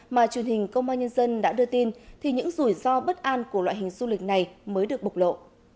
mà truyền hình công an nhân dân đã đưa tin thì những rủi ro bất an của loại hình du lịch này mới được bộc lộ